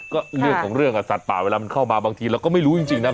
ก็เรื่องของเรื่องสัตว์ป่าเวลามันเข้ามาบางทีเราก็ไม่รู้จริงนะ